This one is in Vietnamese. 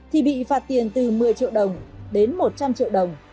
thì bị phạt tiền từ một mươi triệu đồng đến một trăm linh triệu đồng